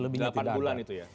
delapan bulan itu ya